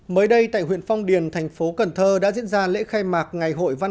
mới đây tại huyện phong điền thành phố cần thơ đã diễn ra lễ khai mạc ngày hội văn